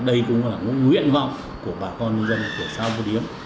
đây cũng là một nguyện vọng của bà con nhân dân của xã vô điếm